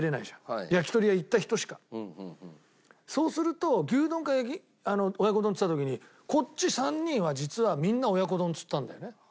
そうすると牛丼か親子丼っつった時にこっち３人は実はみんな親子丼っつったんだよね。